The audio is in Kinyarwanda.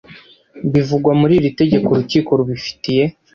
bivugwa muri iri tegeko Urukiko rubifitiye